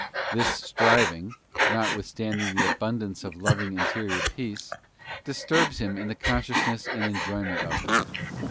This striving, notwithstanding the abundance of _ loving interior peace, disturbs him in the consciousness and enjoyment of it.